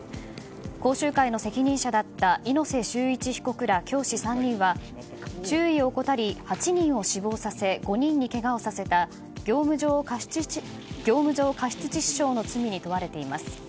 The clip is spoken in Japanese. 講習会の責任者だった猪瀬修一被告ら教師３人は注意を怠り８人を死亡させ５人にけがをさせた業務上過失致死傷の罪に問われています。